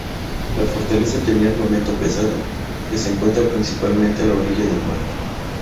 La fortaleza tenía armamento pesado, que se encuentra principalmente a la orilla del mar.